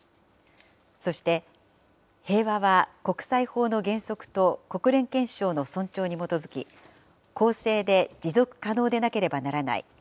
そして、平和は国際法の原則と国連憲章を尊重に基づき、公正で持続可能でなければならない。